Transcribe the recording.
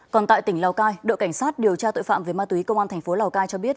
còn tại tỉnh lào cai đội cảnh sát điều tra tội phạm về ma túy công an thành phố lào cai cho biết